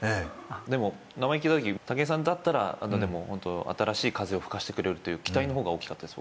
でも名前聞いたとき武井さんだったら新しい風を吹かせてくれるという期待のほうが大きかったです